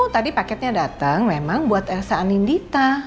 tadi paketnya dateng memang buat elsa and indita